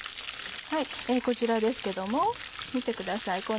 こちらですけれども見てください